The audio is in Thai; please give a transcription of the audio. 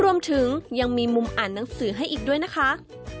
รวมถึงยังมีมุมอ่านหนังสือให้อีกด้วยนะคะ